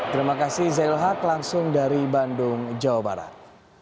terima kasih zail haq langsung dari bandung jawa barat